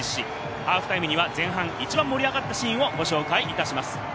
ハーフタイムには前半、一番盛り上がったシーンをご紹介します。